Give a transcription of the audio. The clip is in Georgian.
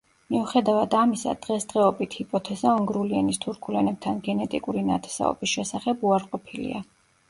მიუხედავად ამისა, დღესდღეობით ჰიპოთეზა უნგრული ენის თურქულ ენებთან გენეტიკური ნათესაობის შესახებ უარყოფილია.